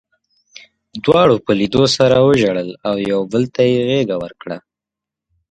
دواړو په لیدو سره وژړل او یو بل ته یې غېږه ورکړه